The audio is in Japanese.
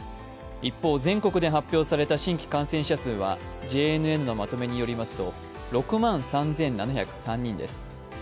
一方、全国で発表された新規感染者数はＪＮＮのまとめによりますと６万３７０３人です。